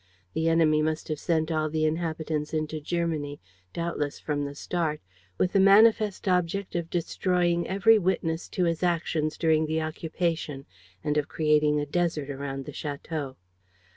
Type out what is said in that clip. The enemy must have sent all the inhabitants into Germany, doubtless from the start, with the manifest object of destroying every witness to his actions during the occupation and of creating a desert around the château.